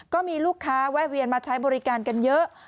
ก็มีลูกค้าแวะเวียนมาใช้บริการกันเยอะ